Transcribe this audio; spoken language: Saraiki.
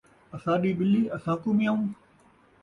اساݙی ٻلی، اساکوں میاوں